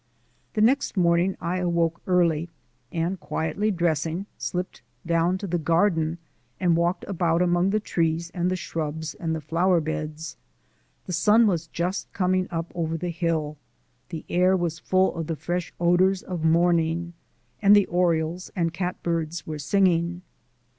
The next morning I awoke early, and quietly dressing, slipped down to the garden and walked about among the trees and the shrubs and the flower beds. The sun was just coming up over the hill, the air was full of the fresh odours of morning, and the orioles and cat birds were singing.